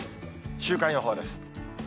週間予報です。